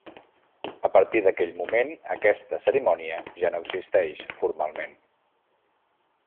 A partir d'aquell moment aquesta cerimònia ja no existeix, formalment.